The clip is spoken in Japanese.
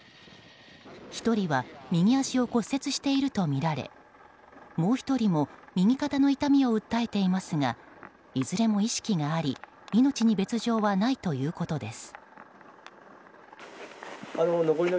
１人は右足を骨折しているとみられもう１人も右肩の痛みを訴えていますがいずれも意識があり命に別条はないということです。